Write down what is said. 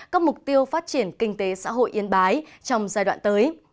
các mục tiêu phát triển kinh tế xã hội yên bái trong giai đoạn tới